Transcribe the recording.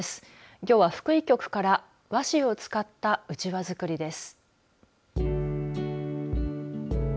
きょうは福井局から和紙を使ったうちわ作りです。